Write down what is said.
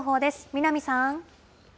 南さん。